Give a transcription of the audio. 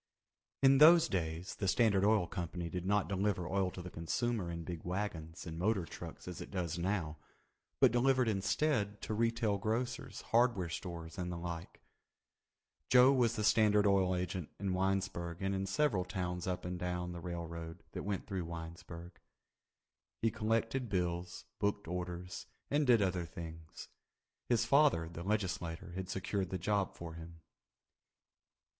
In those days the Standard Oil Company did not deliver oil to the consumer in big wagons and motor trucks as it does now, but delivered instead to retail grocers, hardware stores, and the like. Joe was the Standard Oil agent in Winesburg and in several towns up and down the railroad that went through Winesburg. He collected bills, booked orders, and did other things. His father, the legislator, had secured the job for him.